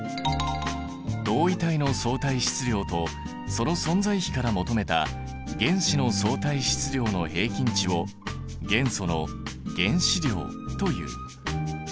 同位体の相対質量とその存在比から求めた原子の相対質量の平均値を元素の原子量という。